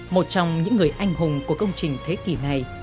một trong những người anh hùng của công trình thế kỷ này